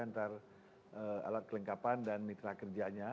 antara alat kelengkapan dan mitra kerjanya